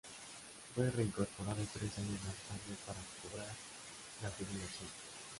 Fue reincorporado tres años más tarde para cobrar la jubilación.